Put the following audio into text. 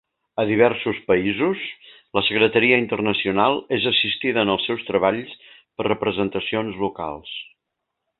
A diversos països, la Secretaria Internacional és assistida en els seus treballs per representacions locals.